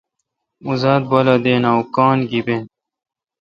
اوں زاتہ بالہ دین اوںکان گیبیں۔۔